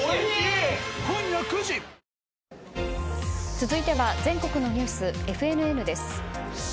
続いては全国のニュースＦＮＮです。